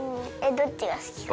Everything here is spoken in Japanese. どっちが好きか？